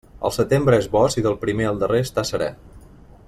El setembre és bo si del primer al darrer està serè.